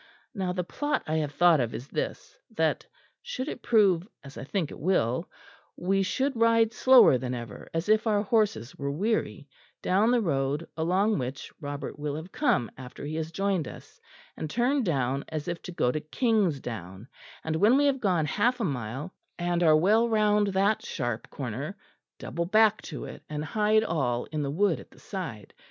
Now the plot I have thought of is this, that should it prove as I think it will we should ride slower than ever, as if our horses were weary, down the road along which Robert will have come after he has joined us, and turn down as if to go to Kingsdown, and when we have gone half a mile, and are well round that sharp corner, double back to it, and hide all in the wood at the side.